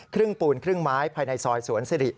ปูนครึ่งไม้ภายในซอยสวนสิริ